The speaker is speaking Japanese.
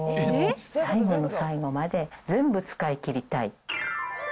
最後の最後まで全部使い切りたい。